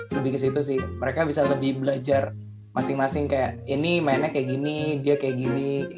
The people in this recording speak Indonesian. lebih ke situ sih mereka bisa lebih belajar masing masing kayak ini mainnya kayak gini dia kayak gini